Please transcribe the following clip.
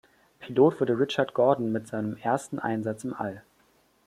Pilot wurde Richard Gordon mit seinem ersten Einsatz im All.